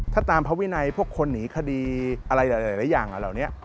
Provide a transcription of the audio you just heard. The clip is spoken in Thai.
ถ้าตามพระวินัยพวกคนหนีคดีอะไรหลายอย่างเหล่านี้